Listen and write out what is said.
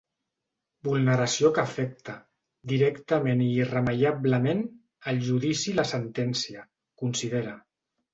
Vulneració que afecta, directament i irremeiablement, el judici i la sentència, considera.